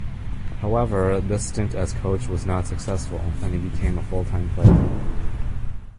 However, this stint as coach was not successful and he became a full-time player.